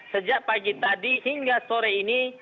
sejak pagi tadi hingga sore ini